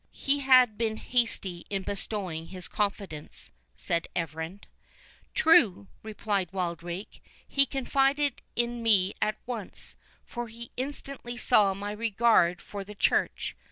"He had been hasty in bestowing his confidence," said Everard. "True," replied Wildrake; "he confided in me at once; for he instantly saw my regard for the Church.